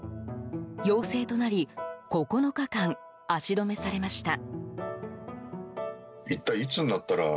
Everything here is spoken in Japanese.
陽性となり９日間足止めされました。